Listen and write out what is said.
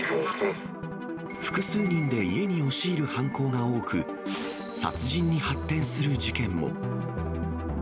複数人で家に押し入る犯行が多く、殺人に発展する事件も。